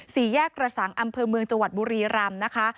สี่แยกกระสังอำเภอเมืองจังหวัดบุรีรำนะคะ